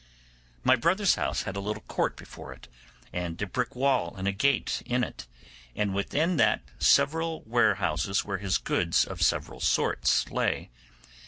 My brother's house had a little court before it, and a brick wall and a gate in it, and within that several warehouses where his goods of several sorts lay.